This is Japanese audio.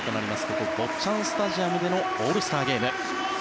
ここ、坊っちゃんスタジアムでのオールスターゲーム。